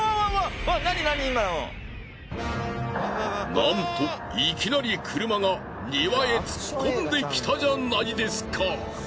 なんといきなり車が庭へ突っ込んできたじゃないですか。